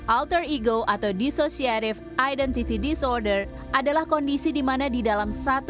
alter ego atau dissociative identity disorder adalah kondisi di mana di dalam sebuah kondisi